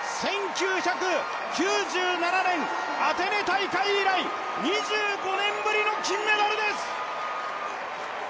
１９９７年、アテネ大会以来２５年ぶりの金メダルです！